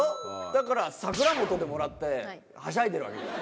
だから櫻本でもらってはしゃいでるわけ。